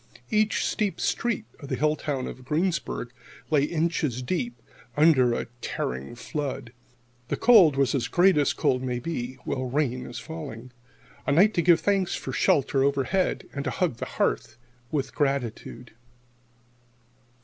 Each steep street of the hill town of Greensburg lay inches deep under a tearing flood. The cold was as great as cold may be while rain is falling. A night to give thanks for shelter overhead, and to hug the hearth with gratitude.